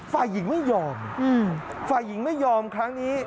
ฝ่ายหญิงไม่ยอมฝ่ายหญิงไม่ยอมครั้งนี้